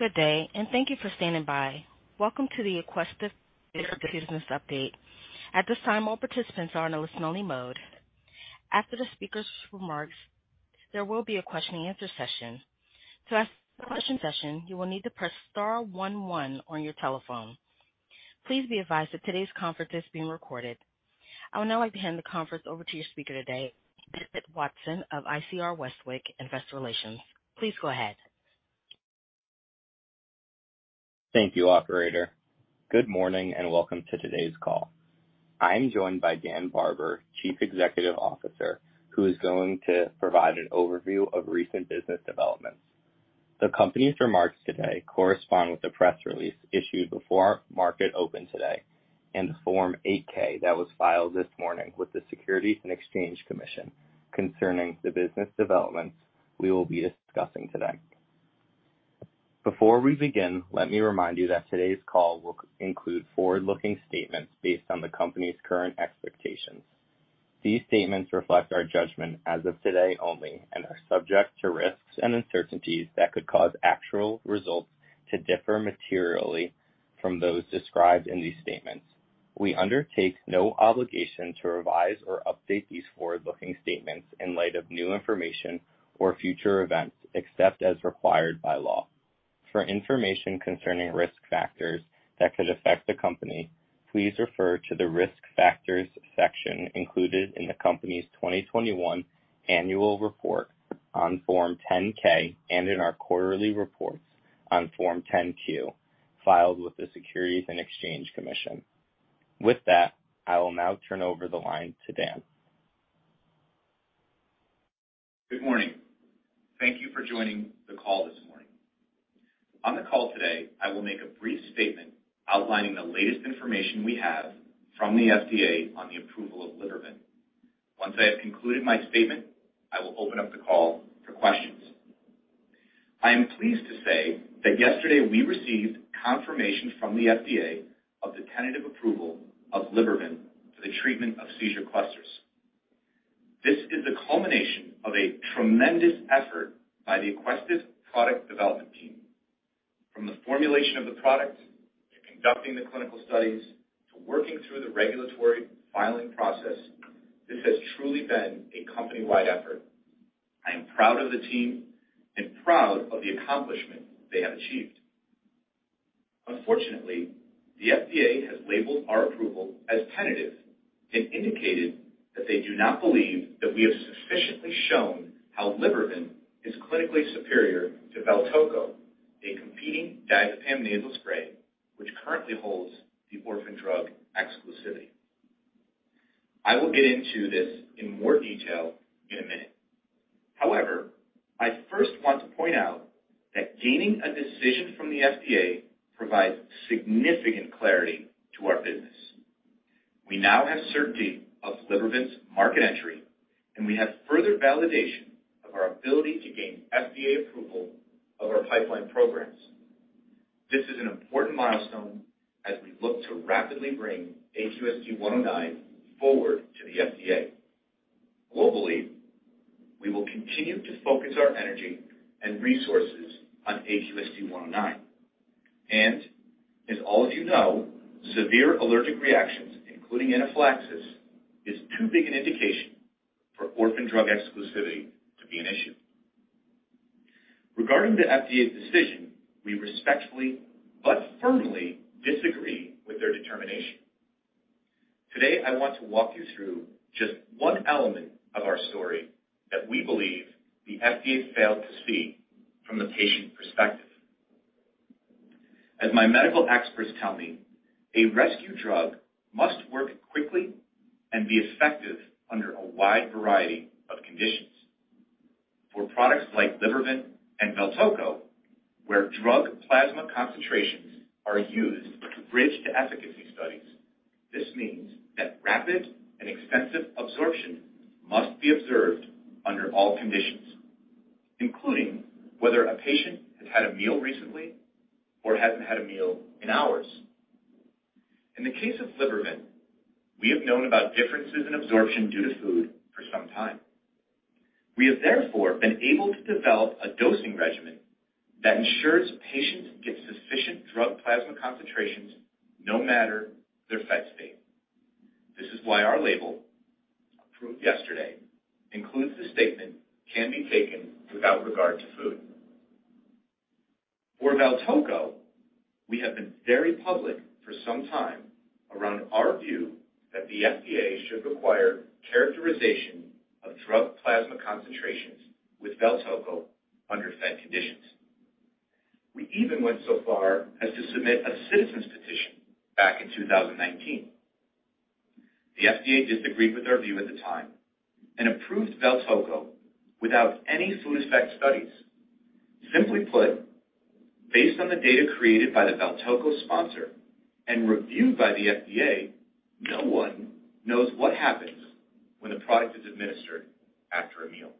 Good day, and thank you for standing by. Welcome to the Aquestive business update. At this time, all participants are in a listen-only mode. After the speaker's remarks, there will be a question and answer session. To ask a question in the session, you will need to press star one one on your telephone. Please be advised that today's conference is being recorded. I would now like to hand the conference over to your speaker today, Bennett Watson of ICR Westwicke Investor Relations. Please go ahead. Thank you, operator. Good morning, and welcome to today's call. I'm joined by Dan Barber, Chief Executive Officer, who is going to provide an overview of recent business developments. The company's remarks today correspond with the press release issued before market open today and the Form 8-K that was filed this morning with the Securities and Exchange Commission concerning the business developments we will be discussing today. Before we begin, let me remind you that today's call will include forward-looking statements based on the company's current expectations. These statements reflect our judgment as of today only and are subject to risks and uncertainties that could cause actual results to differ materially from those described in these statements. We undertake no obligation to revise or update these forward-looking statements in light of new information or future events, except as required by law. For information concerning risk factors that could affect the company, please refer to the Risk Factors section included in the company's 2022 annual report on Form 10-K and in our quarterly reports on Form 10-Q filed with the Securities and Exchange Commission. With that, I will now turn over the line to Dan. Good morning. Thank you for joining the call this morning. On the call today, I will make a brief statement outlining the latest information we have from the FDA on the approval of Libervant. Once I have concluded my statement, I will open up the call for questions. I am pleased to say that yesterday we received confirmation from the FDA of the tentative approval of Libervant for the treatment of seizure clusters. This is the culmination of a tremendous effort by the Aquestive product development team. From the formulation of the product to conducting the clinical studies to working through the regulatory filing process, this has truly been a company-wide effort. I am proud of the team and proud of the accomplishment they have achieved. Unfortunately, the FDA has labeled our approval as tentative and indicated that they do not believe that we have sufficiently shown how Libervant is clinically superior to Valtoco, a competing diazepam nasal spray, which currently holds the orphan drug exclusivity. I will get into this in more detail in a minute. However, I first want to point out that gaining a decision from the FDA provides significant clarity to our business. We now have certainty of Libervant's market entry, and we have further validation of our ability to gain FDA approval of our pipeline programs. This is an important milestone as we look to rapidly bring AQST-109 forward to the FDA. Globally, we will continue to focus our energy and resources on AQST-109. As all of you know, severe allergic reactions, including anaphylaxis, is too big an indication for orphan drug exclusivity to be an issue. Regarding the FDA's decision, we respectfully but firmly disagree with their determination. Today, I want to walk you through just one element of our story that we believe the FDA failed to see from the patient perspective. As my medical experts tell me, a rescue drug must work quickly and be effective under a wide variety of conditions. For products like Libervant and Valtoco, where drug plasma concentrations are used to bridge to efficacy studies. This means that rapid and extensive absorption must be observed under all conditions, including whether a patient has had a meal recently or hasn't had a meal in hours. In the case of Libervant, we have known about differences in absorption due to food for some time. We have therefore been able to develop a dosing regimen that ensures patients get sufficient drug plasma concentrations no matter their fed state. This is why our label, approved yesterday, includes the statement can be taken without regard to food. For Valtoco, we have been very public for some time around our view that the FDA should require characterization of drug plasma concentrations with Valtoco under fed conditions. We even went so far as to submit a Citizen Petition back in 2019. The FDA disagreed with our view at the time and approved Valtoco without any food effect studies. Simply put, based on the data created by the Valtoco sponsor and reviewed by the FDA, no one knows what happens when a product is administered after a meal.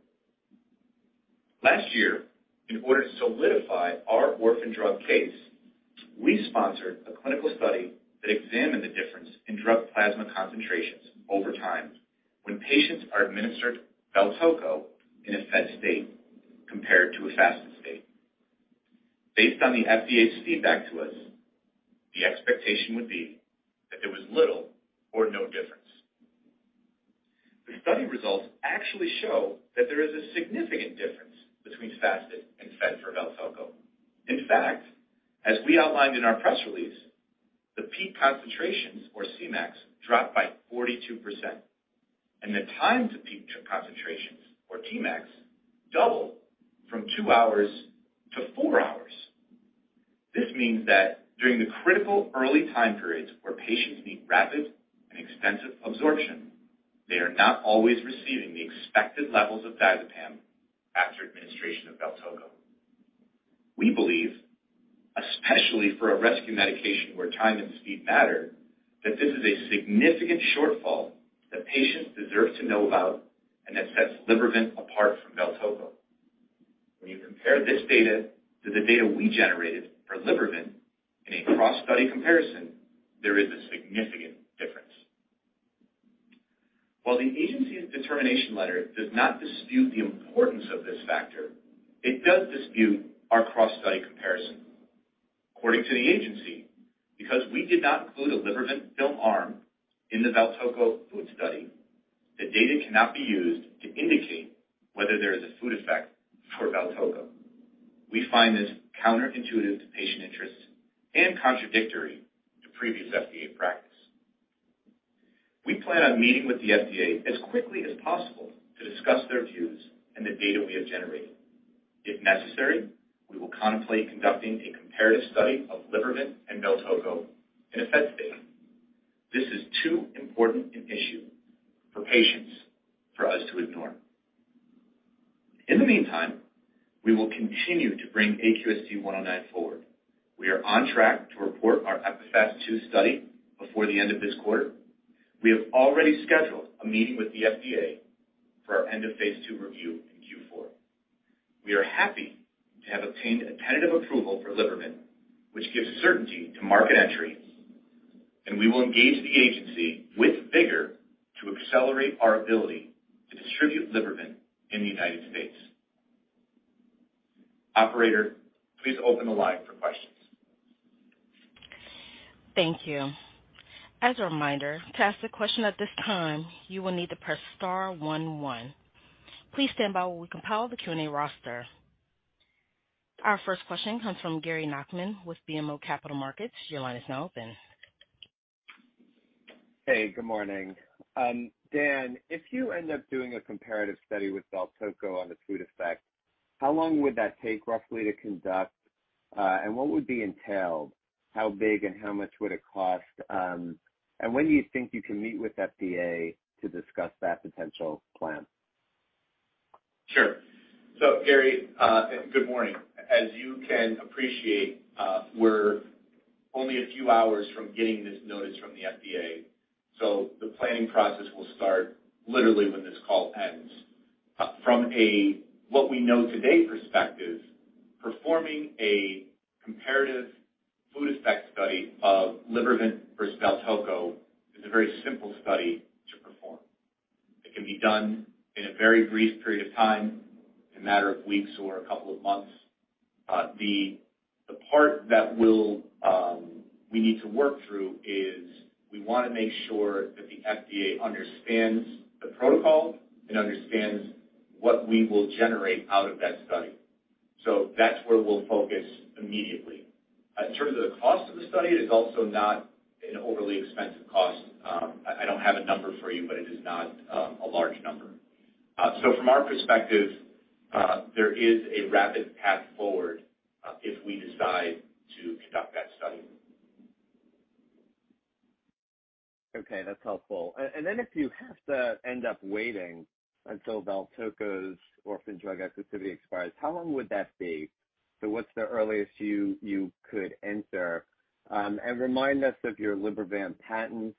Last year, in order to solidify our orphan drug case. We sponsored a clinical study that examined the difference in drug plasma concentrations over time when patients are administered Valtoco in a fed state compared to a fasted state. Based on the FDA's feedback to us, the expectation would be that there was little or no difference. The study results actually show that there is a significant difference between fasted and fed for Valtoco. In fact, as we outlined in our press release, the peak concentrations, or Cmax, dropped by 42%, and the time to peak concentrations, or Tmax, doubled from two hours to four hours. This means that during the critical early time periods where patients need rapid and extensive absorption, they are not always receiving the expected levels of diazepam after administration of Valtoco. We believe, especially for a rescue medication where time and speed matter, that this is a significant shortfall that patients deserve to know about and that sets Libervant apart from Valtoco. When you compare this data to the data we generated for Libervant in a cross-study comparison, there is a significant difference. While the agency's determination letter does not dispute the importance of this factor, it does dispute our cross-study comparison. According to the agency, because we did not include a Libervant film arm in the Valtoco food study, the data cannot be used to indicate whether there is a food effect for Valtoco. We find this counterintuitive to patient interests and contradictory to previous FDA practice. We plan on meeting with the FDA as quickly as possible to discuss their views and the data we have generated. If necessary, we will contemplate conducting a comparative study of Libervant and Valtoco in a fed state. This is too important an issue for patients for us to ignore. In the meantime, we will continue to bring AQST-109 forward. We are on track to report our EPIPHAST II study before the end of this quarter. We have already scheduled a meeting with the FDA for our End-of-Phase 2 review in Q4. We are happy to have obtained a tentative approval for Libervant, which gives certainty to market entry, and we will engage the agency with vigor to accelerate our ability to distribute Libervant in the United States. Operator, please open the line for questions. Thank you. As a reminder, to ask a question at this time, you will need to press star one one. Please stand by while we compile the Q&A roster. Our first question comes from Gary Nachman with BMO Capital Markets. Your line is now open. Hey, good morning. Dan, if you end up doing a comparative study with Valtoco on the food effect, how long would that take roughly to conduct, and what would be entailed? How big and how much would it cost? When do you think you can meet with FDA to discuss that potential plan? Sure. Gary, good morning. As you can appreciate, we're only a few hours from getting this notice from the FDA, so the planning process will start literally when this call ends. From a what-we-know-today perspective, performing a comparative food effect study of Libervant versus Valtoco is a very simple study to perform. It can be done in a very brief period of time, a matter of weeks or a couple of months. The part that we need to work through is we want to make sure that the FDA understands the protocol and understands what we will generate out of that study. That's where we'll focus immediately. In terms of the cost of the study, it is also not an overly expensive cost. I don't have a number for you, but it is not a large number. From our perspective, there is a rapid path forward, if we decide to conduct that study. Okay, that's helpful. If you have to end up waiting until Valtoco's orphan drug exclusivity expires, how long would that be? What's the earliest you could enter? Remind us of your Libervant patents,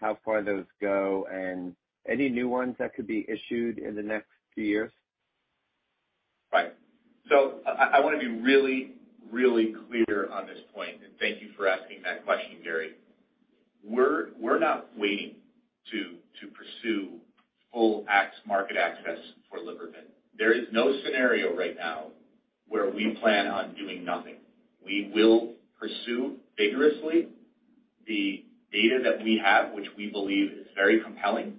how far those go, and any new ones that could be issued in the next few years. Right. I want to be really clear on this point, and thank you for asking that question, Gary. We're not waiting to pursue full market access for Libervant. There is no scenario right now where we plan on doing nothing. We will pursue vigorously the data that we have, which we believe is very compelling,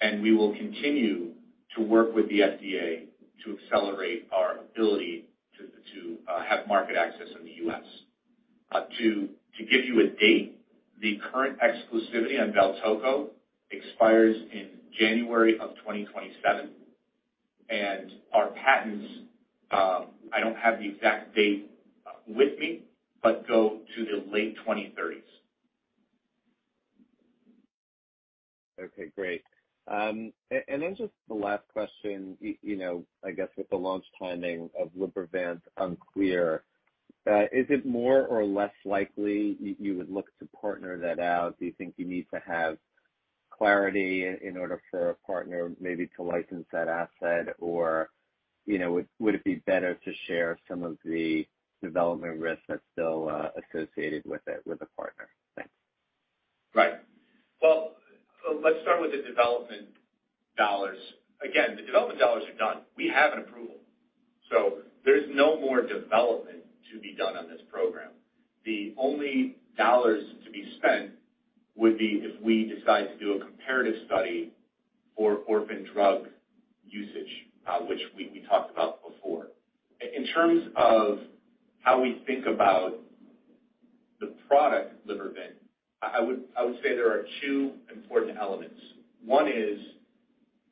and we will continue to work with the FDA to accelerate our ability to have market access in the U.S. To give you a date, the current exclusivity on Valtoco expires in January of 2027. Our patents, I don't have the exact date with me, but go to the late 2030s. Okay, great. And then just the last question, you know, I guess with the launch timing of Libervant unclear, is it more or less likely you would look to partner that out? Do you think you need to have clarity in order for a partner maybe to license that asset? Or, you know, would it be better to share some of the development risk that's still associated with it with a partner? Thanks. Right. Well, let's start with the development dollars. Again, the development dollars are done. We have an approval, so there's no more development to be done on this program. The only dollars to be spent would be if we decide to do a comparative study for orphan drug usage, which we talked about before. In terms of how we think about the product, Libervant, I would say there are two important elements. One is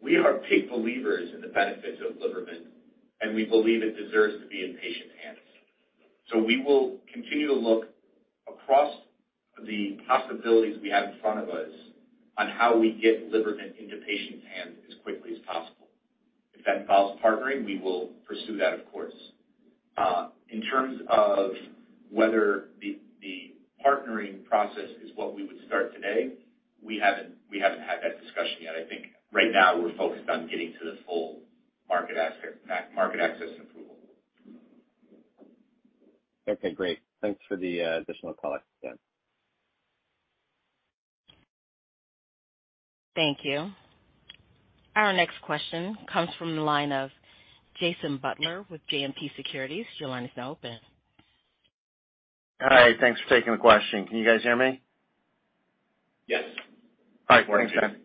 we are big believers in the benefits of Libervant, and we believe it deserves to be in patients' hands. We will continue to look across the possibilities we have in front of us on how we get Libervant into patients' hands as quickly as possible. If that involves partnering, we will pursue that, of course. In terms of whether the partnering process is what we would start today, we haven't had that discussion yet. I think right now we're focused on getting to the full market access approval. Okay, great. Thanks for the additional color. Yeah. Thank you. Our next question comes from the line of Jason Butler with JMP Securities. Your line is now open. Hi. Thanks for taking the question. Can you guys hear me? Yes. All right. Thanks, Dan.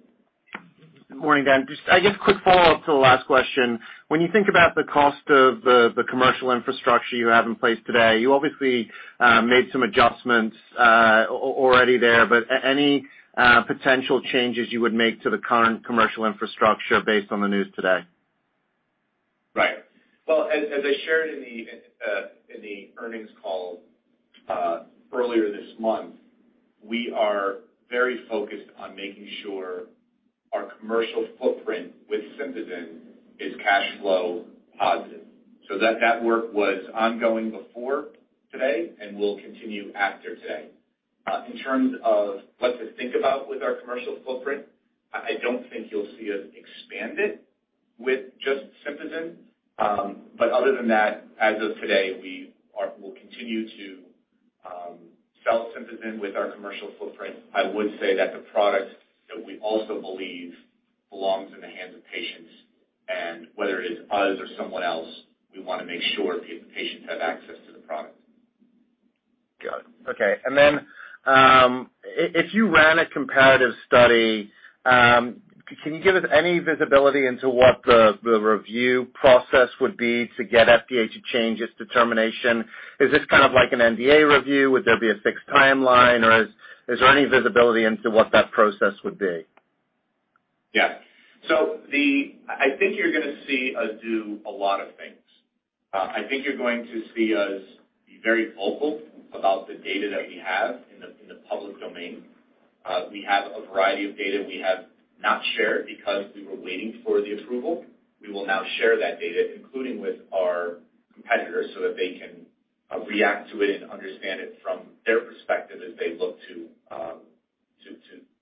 Good morning, Dan. Just I guess quick follow-up to the last question. When you think about the cost of the commercial infrastructure you have in place today, you obviously made some adjustments already there, but any potential changes you would make to the current commercial infrastructure based on the news today? Right. Well, as I shared in the earnings call earlier this month, we are very focused on making sure our commercial footprint with Sympazan is cash flow positive. That network was ongoing before today and will continue after today. In terms of what to think about with our commercial footprint, I don't think you'll see us expand it with just Sympazan. Other than that, as of today, we'll continue to sell Sympazan with our commercial footprint. I would say that the product that we also believe belongs in the hands of patients, and whether it is us or someone else, we wanna make sure the patients have access to the product. Got it. Okay. If you ran a comparative study, can you give us any visibility into what the review process would be to get FDA to change its determination? Is this kind of like an NDA review? Would there be a fixed timeline, or is there any visibility into what that process would be? Yeah. I think you're gonna see us do a lot of things. I think you're going to see us be very vocal about the data that we have in the public domain. We have a variety of data we have not shared because we were waiting for the approval. We will now share that data, including with our competitors, so that they can react to it and understand it from their perspective as they look to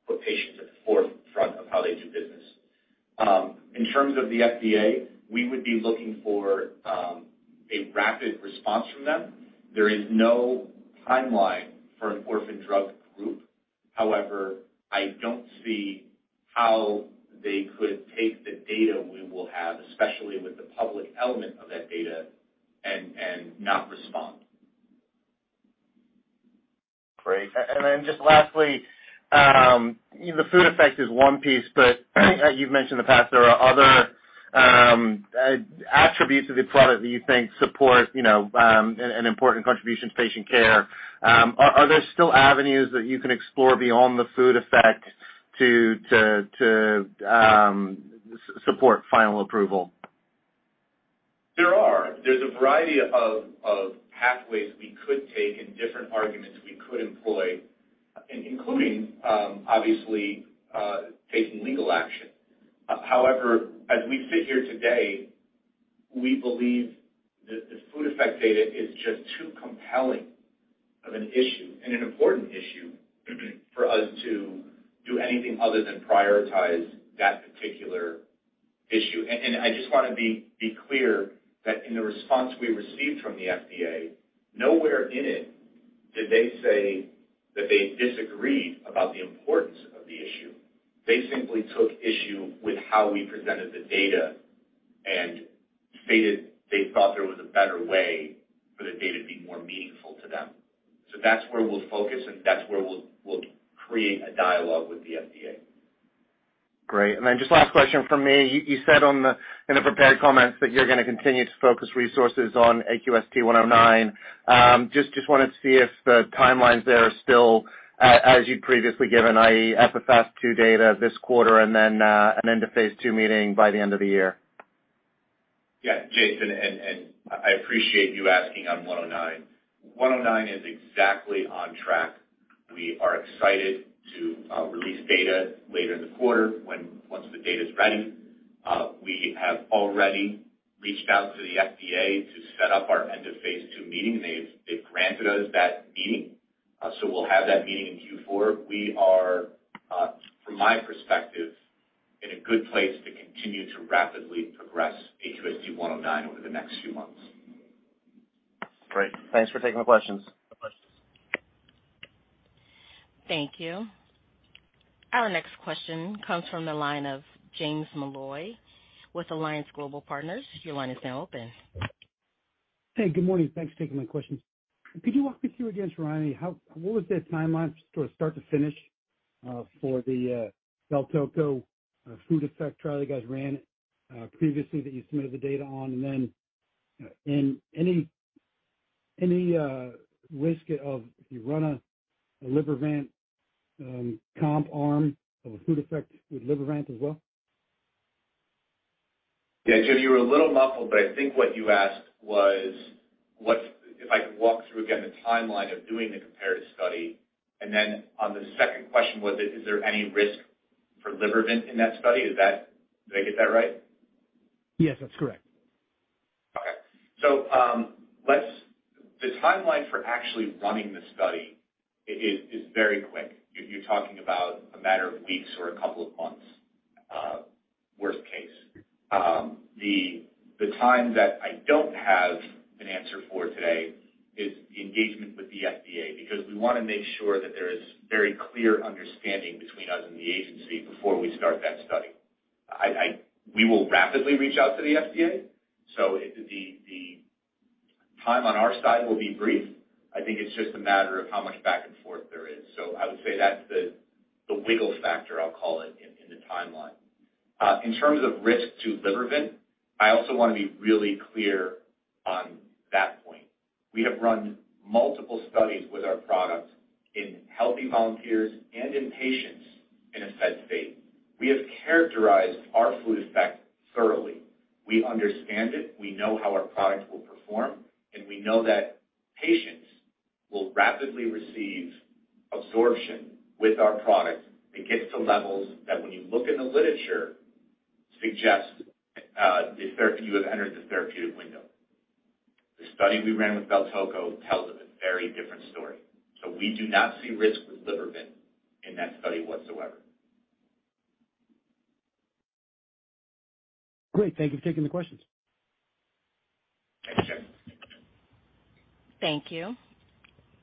put patients at the forefront of how they do business. In terms of the FDA, we would be looking for a rapid response from them. There is no timeline for an orphan drug exclusivity. However, I don't see how they could take the data we will have, especially with the public element of that data, and not respond. Great. Then just lastly, the food effect is one piece, but you've mentioned in the past there are other attributes of the product that you think support, you know, an important contribution to patient care. Are there still avenues that you can explore beyond the food effect to support final approval? There's a variety of pathways we could take and different arguments we could employ, including, obviously, taking legal action. However, as we sit here today, we believe the food effect data is just too compelling of an issue and an important issue for us to do anything other than prioritize that particular issue. I just wanna be clear that in the response we received from the FDA, nowhere in it did they say that they disagreed about the importance of the issue. They simply took issue with how we presented the data and stated they thought there was a better way for the data to be more meaningful to them. That's where we'll focus, and that's where we'll create a dialogue with the FDA. Great. Just last question from me. You said in the prepared comments that you're gonna continue to focus resources on AQST-109. Just wanted to see if the timelines there are still as you'd previously given, i.e., EPIPHAST II data this quarter and then an End-of-Phase 2 meeting by the end of the year. Yeah, Jason, and I appreciate you asking on AQST-109. AQST-109 is exactly on track. We are excited to release data later in the quarter once the data's ready. We have already reached out to the FDA to set up our End- of-Phase 2 meeting. They've granted us that meeting, so we'll have that meeting in Q4. We are, from my perspective, in a good place to continue to rapidly progress AQST-109 over the next few months. Great. Thanks for taking the questions. Thank you. Our next question comes from the line of James Molloy with Alliance Global Partners. Your line is now open. Hey, good morning. Thanks for taking my questions. Could you walk me through again, Dan, what was the timeline sort of start to finish for the Valtoco food effect trial you guys ran previously that you submitted the data on? Any risk if you run a Libervant comp arm of a food effect with Libervant as well? Yeah. James, you were a little muffled, but I think what you asked was if I could walk through again the timeline of doing the comparative study, and then on the second question was, is there any risk for Libervant in that study? Is that? Did I get that right? Yes, that's correct. Okay. The timeline for actually running the study is very quick. You're talking about a matter of weeks or a couple of months, worst case. The time that I don't have an answer for today is the engagement with the FDA, because we wanna make sure that there is very clear understanding between us and the agency before we start that study. We will rapidly reach out to the FDA, so the time on our side will be brief. I think it's just a matter of how much back and forth there is. I would say that's the wiggle factor, I'll call it, in the timeline. In terms of risk to Libervant, I also wanna be really clear on that point. We have run multiple studies with our product in healthy volunteers and in patients in a fed state. We have characterized our food effect thoroughly. We understand it, we know how our product will perform, and we know that patients will rapidly receive absorption with our product that gets to levels that when you look in the literature suggests you have entered the therapeutic window. The study we ran with Valtoco tells a very different story. We do not see risk with Libervant in that study whatsoever. Great. Thank you for taking the questions. Thank you, sir. Thank you.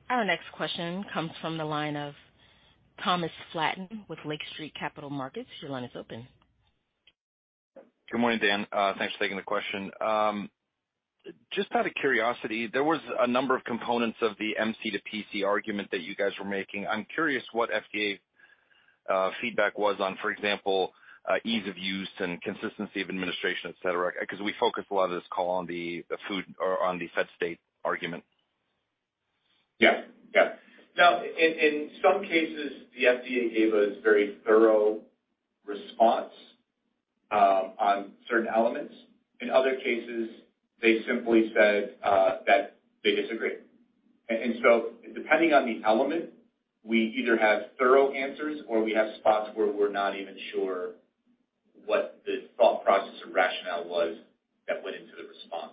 Our next question comes from the line of Thomas Flaten with Lake Street Capital Markets. Your line is open. Good morning, Dan. Thanks for taking the question. Just out of curiosity, there was a number of components of the MC to PC argument that you guys were making. I'm curious what FDA's feedback was on, for example, ease of use and consistency of administration, et cetera, 'cause we focused a lot of this call on the food or on the fed state argument. Yeah. Yeah. Now in some cases, the FDA gave us very thorough response on certain elements. In other cases, they simply said that they disagree. Depending on the element, we either have thorough answers or we have spots where we're not even sure what the thought process or rationale was that went into the response.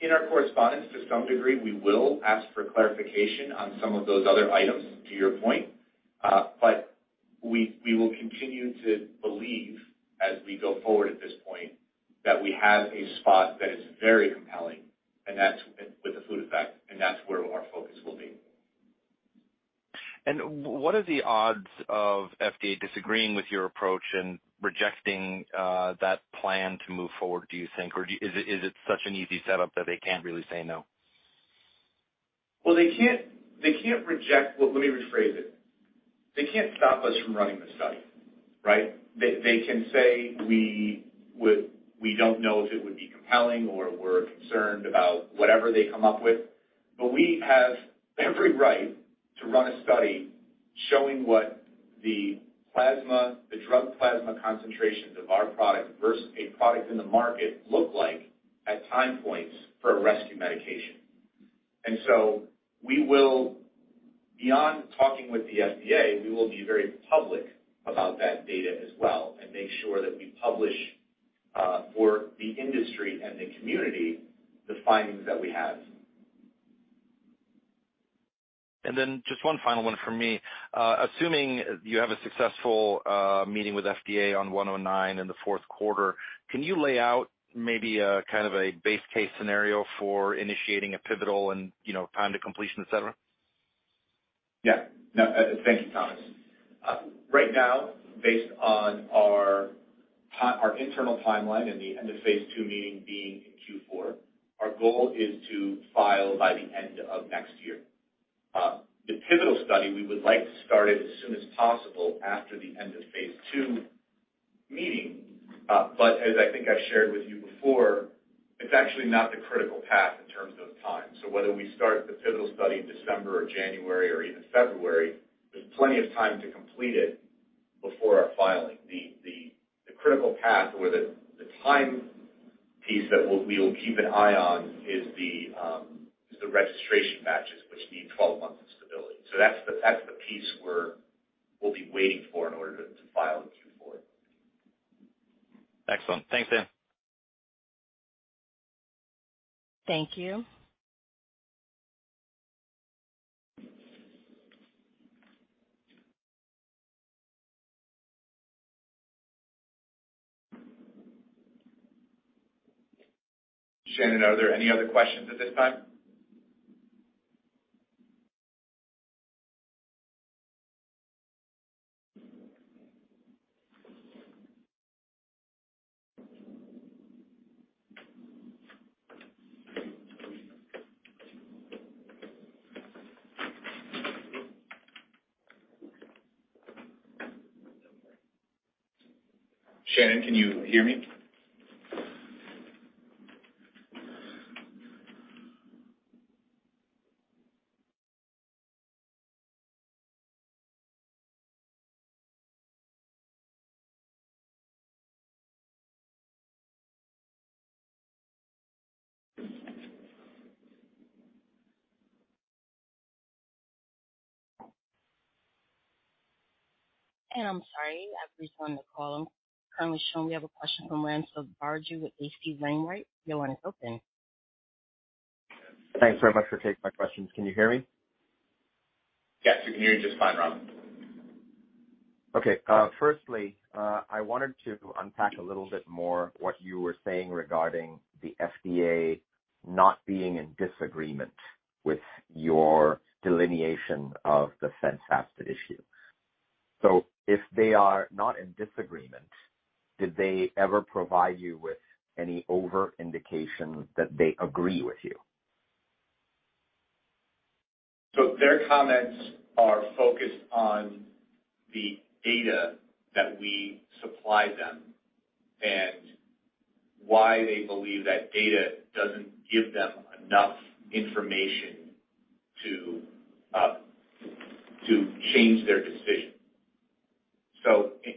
In our correspondence to some degree, we will ask for clarification on some of those other items, to your point. We will continue to believe as we go forward at this point, that we have a spot that is very compelling and that's with the food effect and that's where our focus will be. What are the odds of FDA disagreeing with your approach and rejecting that plan to move forward, do you think? Or is it such an easy setup that they can't really say no? Well, let me rephrase it. They can't stop us from running the study, right? They can say we don't know if it would be compelling or we're concerned about whatever they come up with. We have every right to run a study showing what the drug plasma concentrations of our product versus a product in the market look like at time points for a rescue medication. Beyond talking with the FDA, we will be very public about that data as well and make sure that we publish for the industry and the community the findings that we have. just one final one from me. Assuming you have a successful meeting with FDA on 109 in the fourth quarter, can you lay out maybe a kind of a base case scenario for initiating a pivotal and, you know, time to completion, et cetera? Yeah. No, thank you, Thomas. Right now, based on our internal timeline and the End-of-Phase 2 meeting being in Q4, our goal is to file by the end of next year. The pivotal study, we would like to start it as soon as possible after the End-of-Phase 2 meeting. As I think I shared with you before, it's actually not the critical path in terms of time. Whether we start the pivotal study in December or January or even February, there's plenty of time to complete it before our filing. The critical path or the timeline that we will keep an eye on is the registration batches which need 12 months of stability. That's the piece we'll be waiting for in order to file with Q4. Excellent. Thanks, Dan. Thank you. Shannon, are there any other questions at this time? Shannon, can you hear me? I'm sorry. I've just joined the call. Currently showing we have a question from Raghuram Selvaraju with H.C. Wainwright. Your line is open. Thanks very much for taking my questions. Can you hear me? Yes, we can hear you just fine, Ram. Okay. Firstly, I wanted to unpack a little bit more what you were saying regarding the FDA not being in disagreement with your delineation of the fence asset issue. If they are not in disagreement, did they ever provide you with any overt indication that they agree with you? Their comments are focused on the data that we supplied them and why they believe that data doesn't give them enough information to change their decision.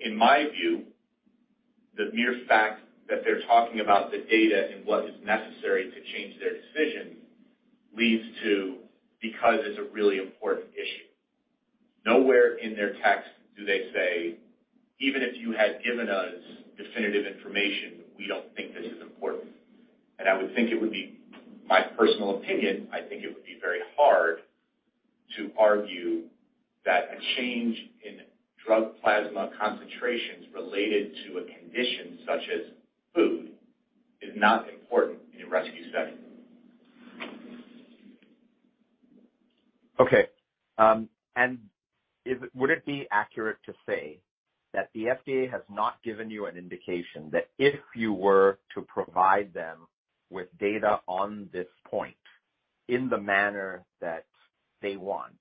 In my view, the mere fact that they're talking about the data and what is necessary to change their decision leads to because it's a really important issue. Nowhere in their text do they say, "Even if you had given us definitive information, we don't think this is important." I would think it would be my personal opinion, I think it would be very hard to argue that a change in drug plasma concentrations related to a condition such as food is not important in a rescue study. Okay. Would it be accurate to say that the FDA has not given you an indication that if you were to provide them with data on this point in the manner that they want,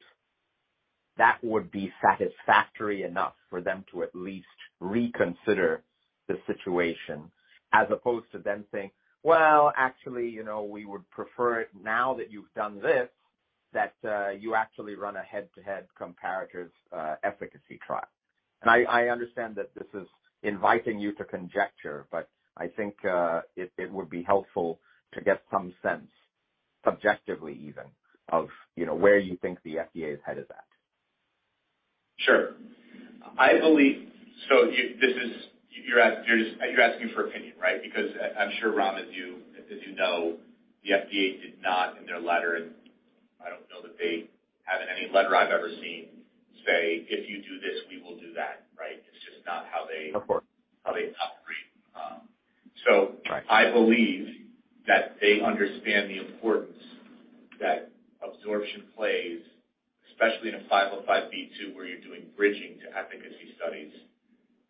that would be satisfactory enough for them to at least reconsider the situation, as opposed to them saying, "Well, actually, you know, we would prefer it now that you've done this, that you actually run a head-to-head comparative efficacy trial." I understand that this is inviting you to conjecture, but I think it would be helpful to get some sense, subjectively even, of, you know, where you think the FDA's head is at. Sure. I believe you're just asking for opinion, right? Because I'm sure, Ram, as you know, the FDA did not in their letter, and I don't know that they have in any letter I've ever seen, say, "If you do this, we will do that." Right? It's just not how they. Of course. how they operate. Right. I believe that they understand the importance that absorption plays, especially in a 505(b)(2), where you're doing bridging to efficacy studies,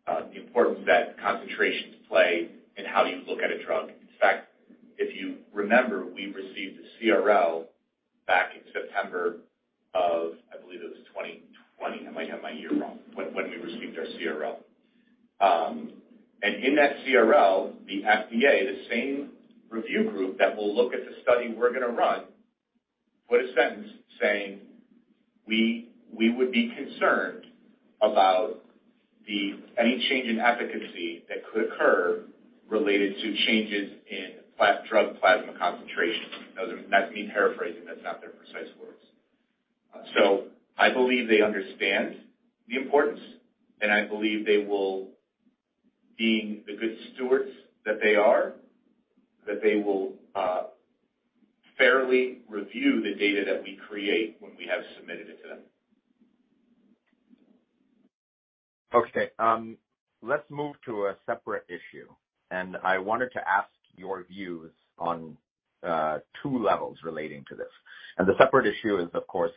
the importance that concentrations play in how you look at a drug. In fact, if you remember, we received a CRL back in September of, I believe it was 2020. I might have my year wrong, but when we received our CRL. In that CRL, the FDA, the same review group that will look at the study we're gonna run, put a sentence saying, "We would be concerned about any change in efficacy that could occur related to changes in drug plasma concentration." That's me paraphrasing. That's not their precise words. I believe they understand the importance, and I believe they will, being the good stewards that they are, fairly review the data that we create when we have submitted it to them. Okay. Let's move to a separate issue. I wanted to ask your views on two levels relating to this. The separate issue is, of course,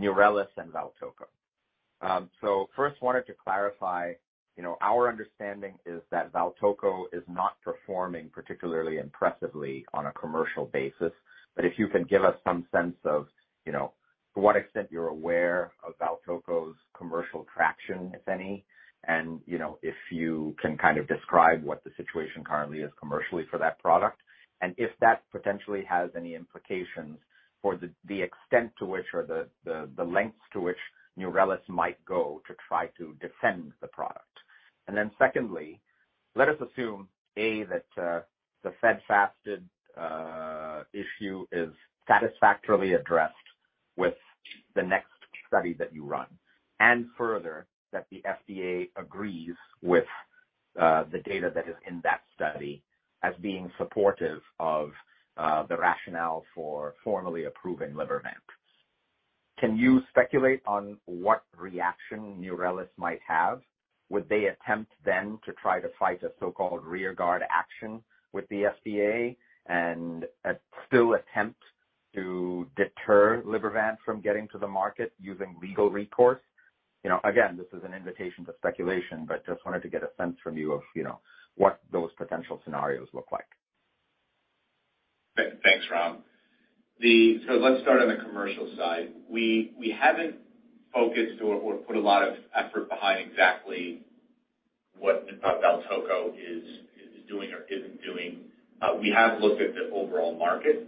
Neurelis and Valtoco. First wanted to clarify, you know, our understanding is that Valtoco is not performing particularly impressively on a commercial basis. If you can give us some sense of, you know, to what extent you're aware of Valtoco's commercial traction, if any. You know, if you can kind of describe what the situation currently is commercially for that product, and if that potentially has any implications for the extent to which or the lengths to which Neurelis might go to try to defend the product. Second, let us assume that the fed/fasted issue is satisfactorily addressed with the next study that you run, and further, that the FDA agrees with the data that is in that study as being supportive of the rationale for formally approving Libervant. Can you speculate on what reaction Neurelis might have? Would they attempt then to try to fight a so-called rearguard action with the FDA and still attempt to deter Libervant from getting to the market using legal recourse? You know, again, this is an invitation to speculation, but just wanted to get a sense from you of, you know, what those potential scenarios look like. Thanks, Ram. Let's start on the commercial side. We haven't focused or put a lot of effort behind exactly what Valtoco is doing or isn't doing. We have looked at the overall market.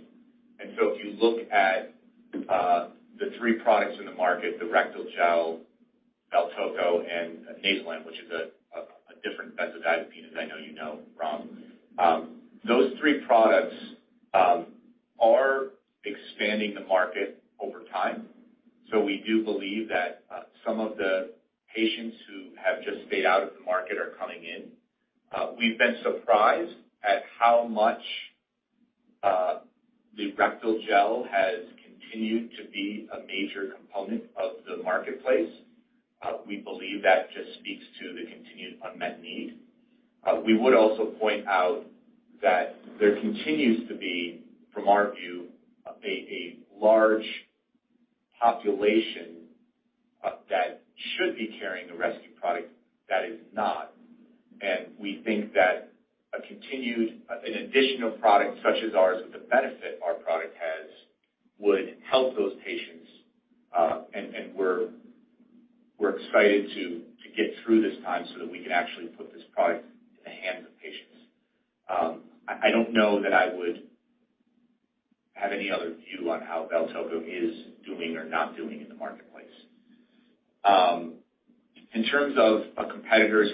If you look at the three products in the market, the diazepam rectal gel, Valtoco and Nayzilam, which is a different benzodiazepine, as I know you know, Ram. Those three products are expanding the market over time. We do believe that some of the patients who have just stayed out of the market are coming in. We've been surprised at how much the diazepam rectal gel has continued to be a major component of the marketplace. We believe that just speaks to the continued unmet need. We would also point out that there continues to be, from our view, a large population that should be carrying a rescue product that is not. We think that an additional product such as ours, with the benefit our product has, would help those patients. We're excited to get through this time so that we can actually put this product in the hands of patients. I don't know that I would have any other view on how Valtoco is doing or not doing in the marketplace. In terms of a competitor's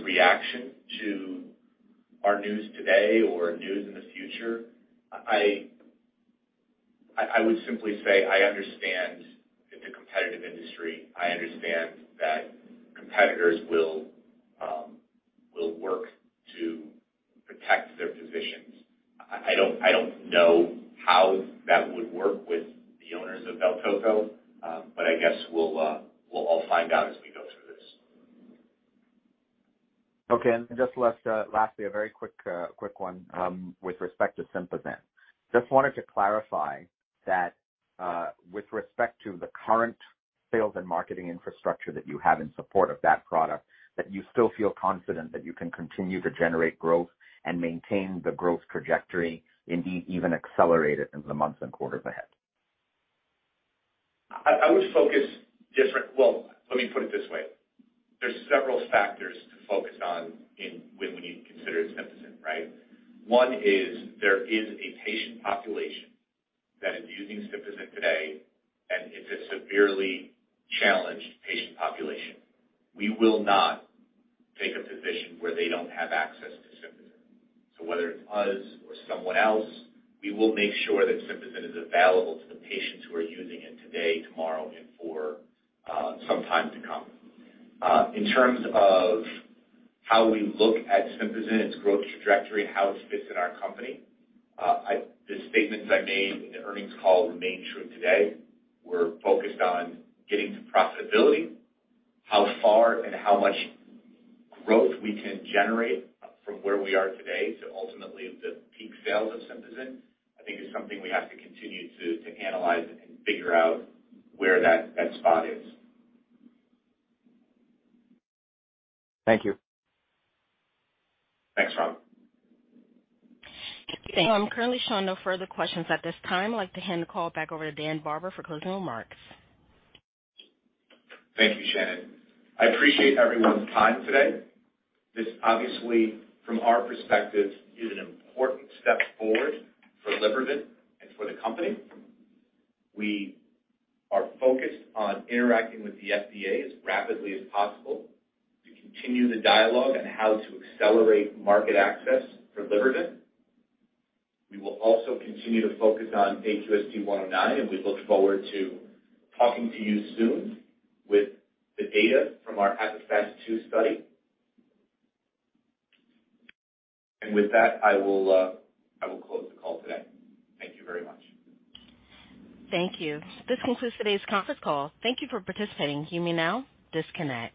reaction to our news today or news in the future, I would simply say I understand it's a competitive industry. I understand that competitors will work to protect their positions. I don't know how that would work with the owners of Valtoco, but I guess we'll all find out as we go through this. Okay, just lastly, a very quick one with respect to Sympazan. Just wanted to clarify that with respect to the current sales and marketing infrastructure that you have in support of that product, that you still feel confident that you can continue to generate growth and maintain the growth trajectory, indeed even accelerate it into the months and quarters ahead. Well, let me put it this way. There's several factors to focus on in when we need to consider Sympazan, right? One is there is a patient population that is using Sympazan today, and it's a severely challenged patient population. We will not take a position where they don't have access to Sympazan. Whether it's us or someone else, we will make sure that Sympazan is available to the patients who are using it today, tomorrow, and for some time to come. In terms of how we look at Sympazan, its growth trajectory, how it fits in our company, the statements I made in the earnings call remain true today. We're focused on getting to profitability. How far and how much growth we can generate from where we are today to ultimately the peak sales of Sympazan, I think is something we have to continue to analyze and figure out where that spot is. Thank you. Thanks, Ram. Thank you. I'm currently showing no further questions at this time. I'd like to hand the call back over to Dan Barber for closing remarks. Thank you, Shannon. I appreciate everyone's time today. This obviously, from our perspective, is an important step forward for Libervant and for the company. We are focused on interacting with the FDA as rapidly as possible to continue the dialogue on how to accelerate market access for Libervant. We will also continue to focus on AQST-109, and we look forward to talking to you soon with the data from our EPIPHAST II study. With that, I will close the call today. Thank you very much. Thank you. This concludes today's conference call. Thank you for participating. You may now disconnect.